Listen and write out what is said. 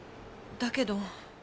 だけど。